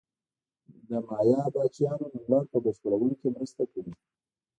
د مایا پاچاهانو نوملړ په بشپړولو کې مرسته کوي.